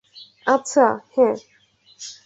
আচ্ছা, হ্যাঁ।